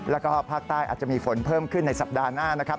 แล้วก็ภาคใต้อาจจะมีฝนเพิ่มขึ้นในสัปดาห์หน้านะครับ